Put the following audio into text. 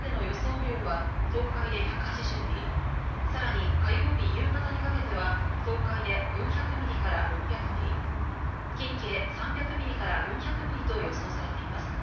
雨量は、東海で１８０ミリ、さらに火曜日夕方にかけては、東海で４００ミリから６００ミリ、近畿で３００ミリから４００ミリと予想されています。